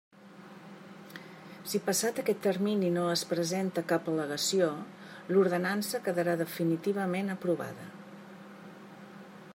Si passat aquest termini no es presenta cap al·legació, l'Ordenança quedarà definitivament aprovada.